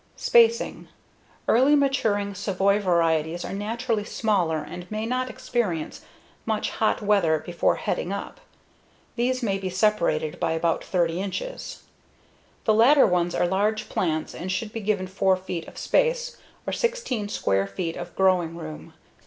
Spacing: Early maturing savoy varieties are naturally smaller and may not experience much hot weather before heading up these may be separated by about 30 inches. The later ones are large plants and should be given 4 feet of space or 16 square feet of growing room.